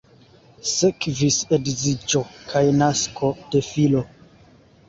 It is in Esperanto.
Sekvis edziĝo kaj nasko de filo.